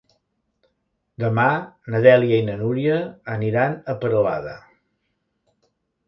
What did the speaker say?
Demà na Dèlia i na Núria aniran a Peralada.